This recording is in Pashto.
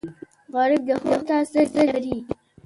غریب د ښو ته سترګې لري